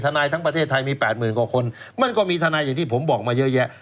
นายทั้งประเทศไทยมี๘๐๐๐กว่าคนมันก็มีทนายอย่างที่ผมบอกมาเยอะแยะ